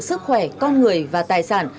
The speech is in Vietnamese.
sức khỏe con người và tài sản